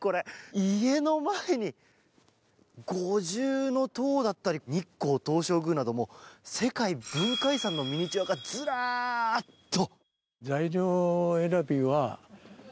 家の前に五重塔だったり日光東照宮など世界文化遺産のミニチュアがずらーっと。